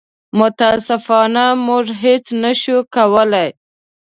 متاسفانه موږ هېڅ نه شو کولی.